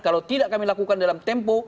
kalau tidak kami lakukan dalam tempo